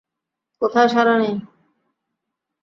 কোথাও সাড়া নেই।